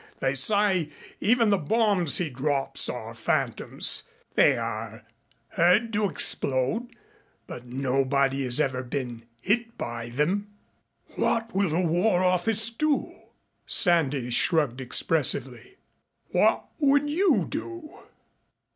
They say even the bombs he drops are phantoms. They are heard to explode but nobody has ever been hit by them." "What will the War Office do?" Sandys shrugged expressively. "What would you do?"